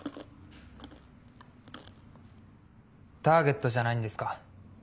ターゲットじゃないんですか？